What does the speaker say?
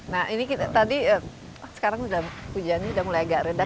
nah ini kita tadi sekarang sudah hujan ini sudah mulai agak reda